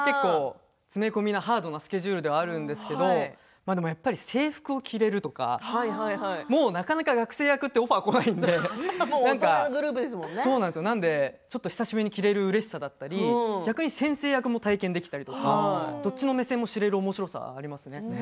詰め込みが、ハードなスケジュールなんですけれど制服が着られるとかなかなか学生役はオファーがこないのでなので久しぶりに着られるうれしさだったり先生役も体験できたとかどっちの目線も知られるおもしろさがあります。